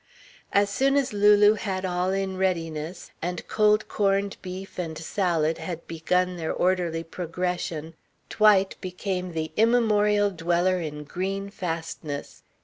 As soon as Lulu had all in readiness, and cold corned beef and salad had begun their orderly progression, Dwight became the immemorial dweller in green fastnesses.